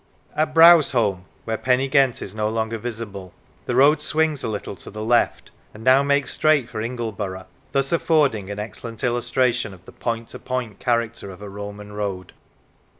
At Brows holme, where Pen y Ghent is no longer visible, the road swings a little to the left and now makes straight for Ingleborough, thus affording an excellent illustration of the " point to point " character of a Roman road.